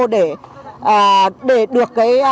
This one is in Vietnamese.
để được cái